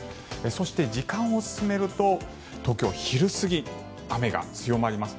そして、時間を進めると東京、昼過ぎに雨が強まります。